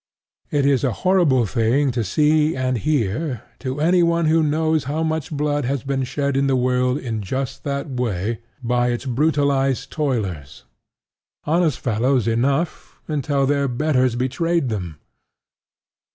It is a horrible thing to see and hear, to anyone who knows how much blood has been shed in the world in just that way by its brutalized toilers, honest fellows enough until their betters betrayed them.